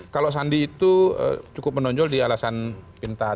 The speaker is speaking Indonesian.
kalau sandi itu cukup menonjol di alasan pintar